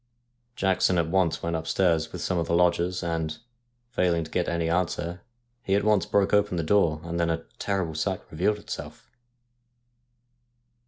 Jackson at once went upstairs with some of the lodgers, and, failing to get any answer, he at once broke open the door, and then a terrible sight revealed itself.